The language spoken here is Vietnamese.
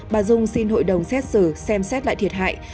bà dung xin hội đồng xét xử xem xét lại thiệt hại